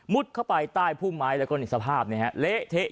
มุดเข้าไปใต้ผู้ไม้และก็สภาพเละเทะ